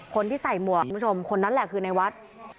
คนที่ใส่หมวกคนนั้นแหละคือในวัด